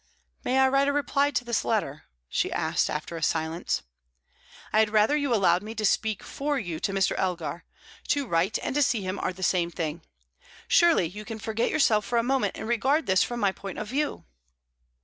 "May I write a reply to this letter?" she asked, after a silence. "I had rather you allowed me to speak for you to Mr. Elgar. To write and to see him are the same thing. Surely you can forget yourself for a moment, and regard this from my point of view."